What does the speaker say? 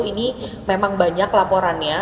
ini memang banyak laporannya